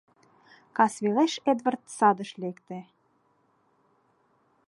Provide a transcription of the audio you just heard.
Кас велеш Эдвард садыш лекте.